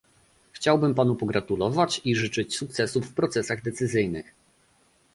Chciałbym panu pogratulować i życzyć sukcesów w procesach decyzyjnych